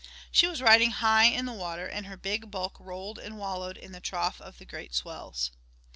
She was riding high in the water, and her big bulk rolled and wallowed in the trough of the great swells.